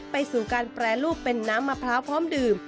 ไปสู่การแปรรูปเป็นน้ำมะพร้าวพร้อมดื่ม